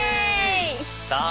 さあ